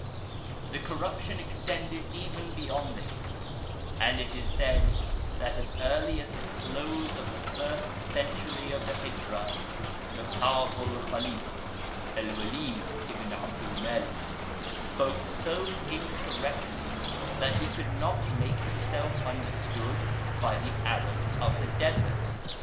The corruption extended even beyond this, and it is said that as early as the close of the first century of the Hijra, the powerful Khalif El Welid ibn Abd el Melik spoke so incorrectly that he could not make himself understood by the Arabs of the desert.